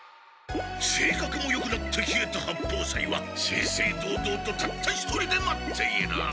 せいかくもよくなった稗田八方斎は正々堂々とたった一人で待っている。